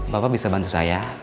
bapak bisa bantu saya